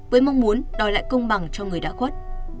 với mong muốn đòi lại công bằng cho người đã khuất